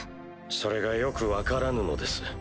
それがよく分からぬのです。